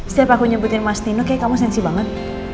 setiap aku nyebutin mas nino kayak kamu sensi banget